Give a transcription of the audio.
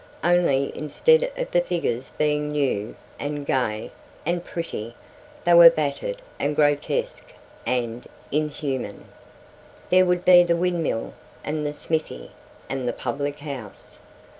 Only instead of the figures being new, and gay, and pretty, they were battered and grotesque and inhuman. There would be the windmill, and the smithy, and the public house.